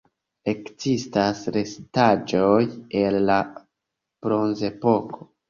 Ekzistas restaĵoj el la bronzepoko.